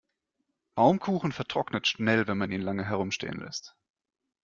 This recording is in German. Baumkuchen vertrocknet schnell, wenn man ihn lange herumstehen lässt.